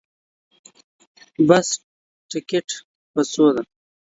د بس ټکټ په څو ده